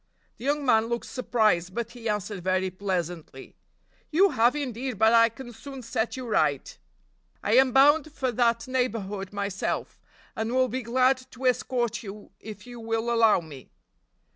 The young man looked surprised, but he answered very pleasantly: "You have, indeed, but I can soon set you right. I am bound for that neighborhood myself, and will be glad to escort you if you will allow me."